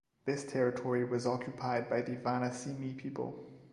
This territory was occupied by the Vanacimi people.